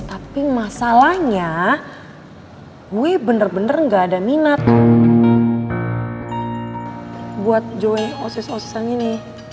tapi masalahnya gue bener bener nggak ada minat buat join osis osis yang ini